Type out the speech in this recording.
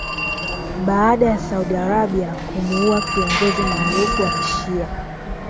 baada ya Saudi Arabia kumuua kiongozi maarufu wa kishia